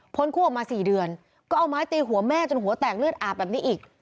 คู่ออกมา๔เดือนก็เอาไม้ตีหัวแม่จนหัวแตกเลือดอาบแบบนี้อีก